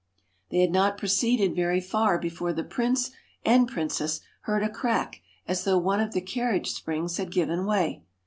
They had not proceeded very far before the prince and princess heard a crack as though one of the carriage springs had given way.